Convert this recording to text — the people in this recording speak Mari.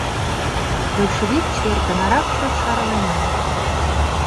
Большевик чер тынарак чот шарлен мо?